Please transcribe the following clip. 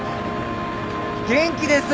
元気です！